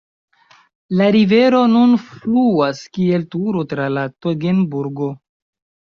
La rivero nun fluas kiel Turo tra la Togenburgo.